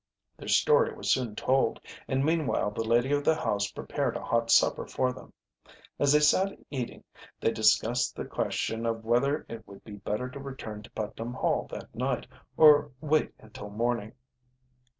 Their story was soon told, and meanwhile the lady of the house prepared a hot supper for them. As they sat eating they discussed the question of whether it would be better to return to Putnam Hall that night or wait until morning.